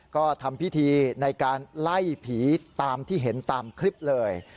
ก็ทำพิธีในการไล่ผีตามที่เห็นตามคลิปเลย